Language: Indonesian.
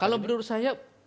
kalau menurut saya